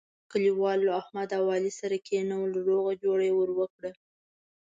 کلیوالو احمد او علي سره کېنول روغه جوړه یې ور وکړه.